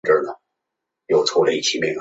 芮逸夫早年在国立东南大学外文系修业。